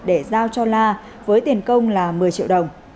để giao cho la với tiền công là một mươi triệu đồng